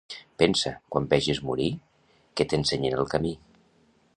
Pensa, quan vegis morir, que t'ensenyen el camí.